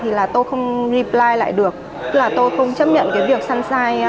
thì là tôi không reply lại được tức là tôi không chấp nhận cái việc sunshine